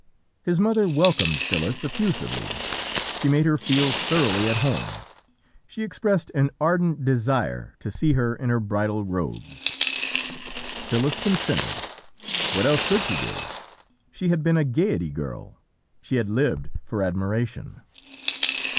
"His mother welcomed Phyllis effusively; she made her feel thoroughly at home; she expressed an ardent desire to see her in her bridal robes. "Phyllis consented what else could she do? She had been a Gaiety girl! she had lived for admiration.